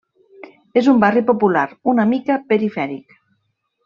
És un barri popular, una mica perifèric.